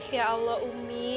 ya allah umi